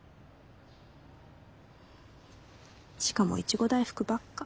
しかもイチゴ大福ばっか。